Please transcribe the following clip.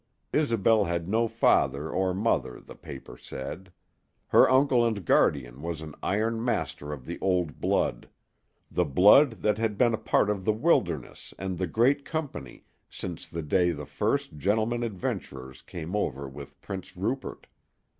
Isobel had no father or mother, the paper said. Her uncle and guardian was an iron master of the old blood the blood that had been a part of the wilderness and the great company since the day the first "gentlemen adventurers" came over with Prince Rupert.